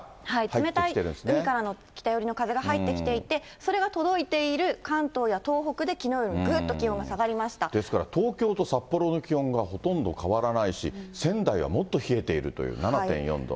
冷たい海からの北寄りの風が入ってきていて、それが届いている関東や東北できのうよりぐっと気温が下がりましですから東京と札幌の気温がほとんど変わらないし、仙台はもっと冷えているという、７．４度。